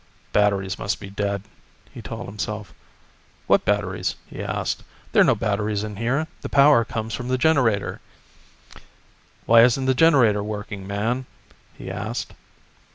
"Batteries must be dead," he told himself. "What batteries?" he asked. "There're no batteries in here, the power comes from the generator." "Why isn't the generator working, man?" he asked.